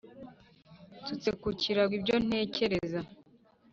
Nsutse ku kirago ibyo ntekereza